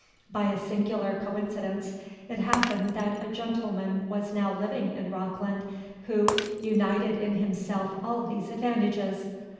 By a singular coincidence it happened that a gentleman was now living in Rockland who united in himself all these advantages.